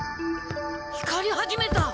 光り始めた！